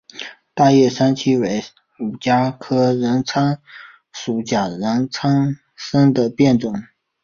大叶三七为五加科人参属假人参的变种。